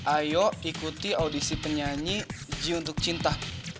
ayo ikuti audisi penyanyi ji untuk cinta